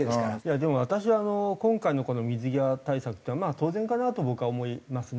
でも私は今回のこの水際対策っていうのはまあ当然かなと僕は思いますね。